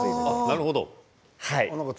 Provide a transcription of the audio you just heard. なるほど。